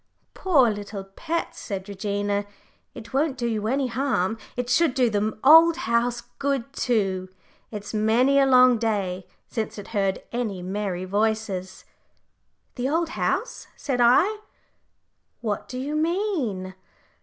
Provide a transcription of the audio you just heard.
"Poor little pets," said Regina, "it won't do you any harm. It should do the old house good too it's many a long day since it heard any merry voices." "The old house," said I; "what do you mean?"